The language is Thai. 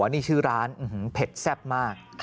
ว่านี่ชื่อร้านเออหือเผ็ดแซ่บมาก